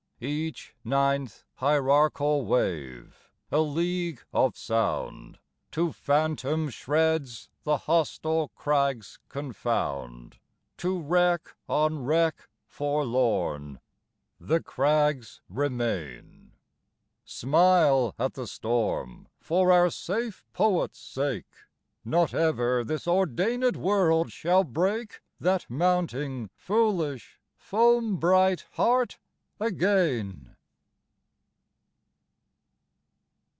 EACH ninth hierarchal wave, a league of sound, To phantom shreds the hostile crags confound, To wreck on wreck forlorn. The crags remain. Smile at the storm for our safe poet's sake! Not ever this ordainèd world shall break That mounting, foolish, foam bright heart again.